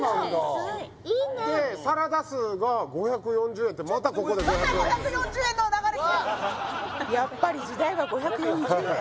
安いでサラダ酢が５４０円ってまたここで５４０円来てるやっぱり時代は５４０円